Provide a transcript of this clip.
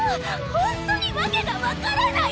ほんとに訳が分からない！